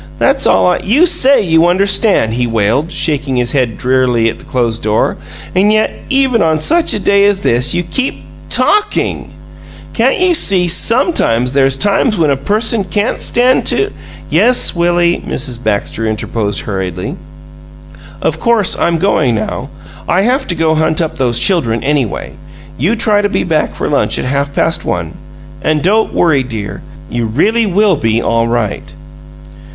That's all I " "You say you understand," he wailed, shaking his head drearily at the closed door, "and yet, even on such a day as this, you keep TALKING! Can't you see sometimes there's times when a person can't stand to " "Yes, Willie," Mrs. Baxter interposed, hurriedly. "Of course! I'm going now. I have to go hunt up those children, anyway. You try to be back for lunch at half past one and don't worry, dear; you really WILL be all right!"